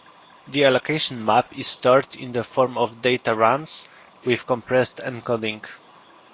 The allocation map is stored in a form of "data runs" with compressed encoding.